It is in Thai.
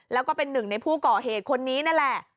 แล้วก็เป็นหนึ่งในผู้ก่อเหตุคนนี้นั่นแหละ